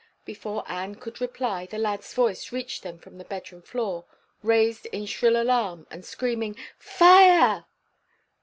Before Anne could reply, the lad's voice reached them from the bedroom floor, raised in shrill alarm, and screaming "Fire!"